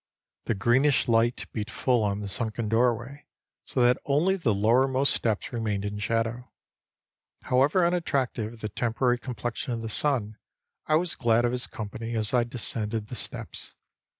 The greenish light beat full on the sunken doorway, so that only the lowermost steps remained in shadow. However unattractive the temporary complexion of the sun, I was glad of his company as I descended the steps.